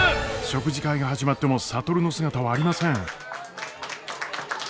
食事会が始まっても智の姿はありません。